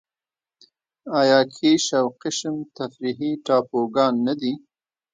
آیا کیش او قشم تفریحي ټاپوګان نه دي؟